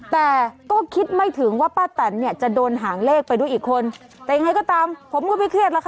แต่ก็คิดไม่ถึงว่าป้าแตนเนี่ยจะโดนหางเลขไปด้วยอีกคนแต่ยังไงก็ตามผมก็ไม่เครียดแล้วค่ะ